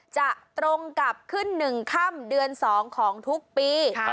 ตรงกับขึ้น๑ค่ำเดือน๒ของทุกปี